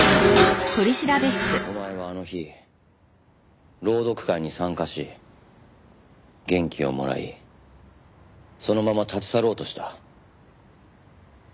お前はあの日朗読会に参加し元気をもらいそのまま立ち去ろうとした。